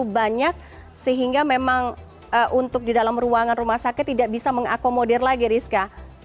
banyak sehingga memang untuk di dalam ruangan rumah sakit tidak bisa mengakomodir lagi rizka